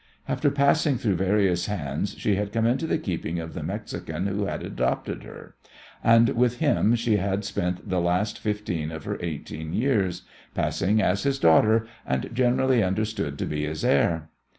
After passing through various hands she had come into the keeping of the Mexican who had adopted her, and with him she had spent the last fifteen of her eighteen years, passing as his daughter, and generally understood to be his heir.